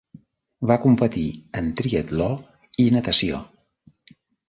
Va competir en triatló i natació.